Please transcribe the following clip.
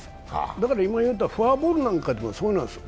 だからフォアボールなんかもそうなんです。